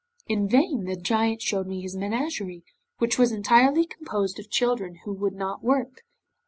In vain the Giant showed me his menagerie, which was entirely composed of children who would not work!